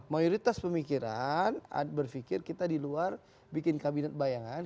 mayoritas pemikiran berpikir kita di luar bikin kabinet bayangan